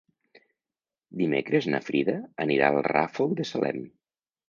Dimecres na Frida anirà al Ràfol de Salem.